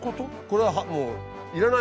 これはもう。